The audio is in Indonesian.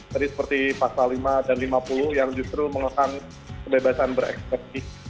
jadi seperti pasal lima dan lima puluh yang justru mengelakkan kebebasan berekspresi